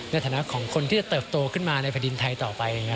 ในฐานะของคนที่จะเติบโตขึ้นมาในแผ่นดินไทยต่อไป